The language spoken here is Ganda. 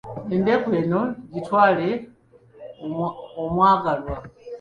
Endeku eno, gitwale, omwagalwa!